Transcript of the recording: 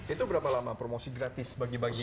itu berapa lama promosi gratis bagi bagi